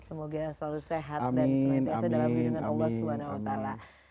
semoga selalu sehat dan senantiasa dalam lindungan allah swt